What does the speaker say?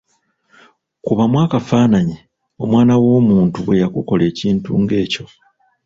Kubamu akafaananyi omwana w'omuntu bwe yakukola ekintu ng'ekyo!